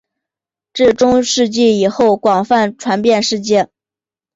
至中世纪以后广泛传遍世界。